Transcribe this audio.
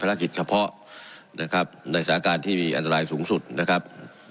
เฉพาะกิจเฉพาะนะครับในสถานการณ์ที่มีอันตรายสูงสุดนะครับ